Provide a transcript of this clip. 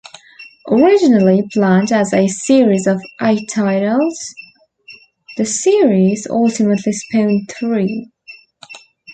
Originally planned as a series of eight titles, the series ultimately spawned three.